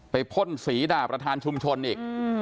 พ่นสีด่าประธานชุมชนอีก